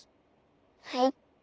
はい。